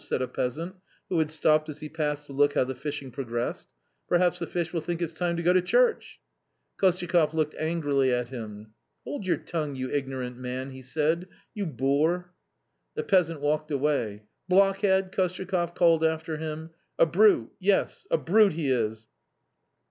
" said a peasant, who had stopped as he passed to look how the fishing pro gressed; "perhaps the fish will think it's time to go to church !" Kostyakoff looked angrily at him. " Hold your tongue, you ignorant man !" he said, " you boor !" The peasant walked away. " Blockhead !" Kostyakoff called after him ; "a brute, yes, a brute he is.